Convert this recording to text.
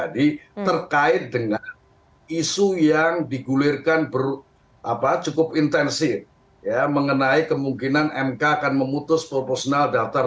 digulirkan berapa cukup intensif ya mengenai kemungkinan mk akan memutus proporsional daftar